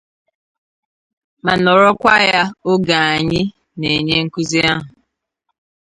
ma nọrọkwa ya oge anyị na-enye nkụzi ahụ